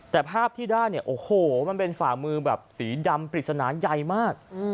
แต่ภาพที่ได้เนี่ยโอ้โหมันเป็นฝ่ามือแบบสีดำปริศนาใหญ่มาก